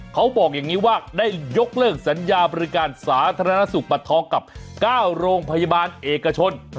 เขาบอกอย่างนี้ว่าได้ยกเลิกสัญญาบริการสาธารณสุขบัตรทองกับ๙โรงพยาบาลเอกชน